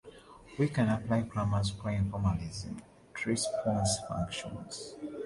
We can apply the Kramers-Kronig formalism to response functions.